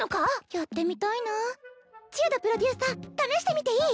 やってみたいなあ千代田プロデューサー試してみていい？